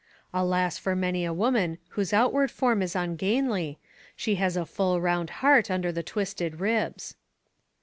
Alas for many a woman whose outward form is ungainly she has a full round heart under the twisted ribs!